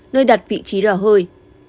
nơi đặt vị trí lò hơi